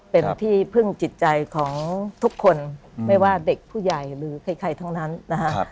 เป็นที่พึ่งจิตใจของทุกคนไม่ว่าเด็กผู้ใหญ่หรือใครทั้งนั้นนะฮะ